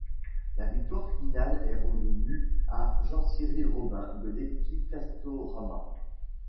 La victoire finale est revenue à Jean-Cyril Robin de l'équipe Castorama.